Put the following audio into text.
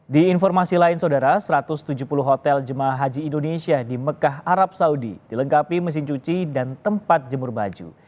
di informasi lain saudara satu ratus tujuh puluh hotel jemaah haji indonesia di mekah arab saudi dilengkapi mesin cuci dan tempat jemur baju